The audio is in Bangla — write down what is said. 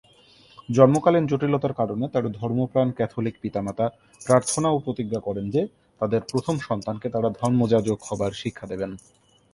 জন্মকালীন জটিলতার কারণে তার ধর্মপ্রাণ ক্যাথোলিক পিতা-মাতা প্রার্থনা ও প্রতিজ্ঞা করেন যে, তাদের প্রথম সন্তানকে তারা ধর্মযাজক হবার শিক্ষা দেবেন।